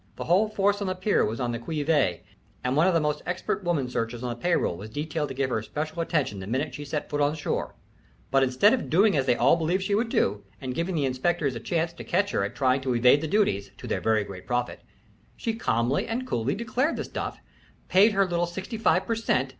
The whole force on the pier was on the qui vive, and one of the most expert women searchers on the pay roll was detailed to give her special attention the minute she set foot on shore; but instead of doing as they all believed she would do, and giving the inspectors a chance to catch her at trying to evade the duties, to their very great profit, she calmly and coolly declared the stuff, paid her little sixty five per cent.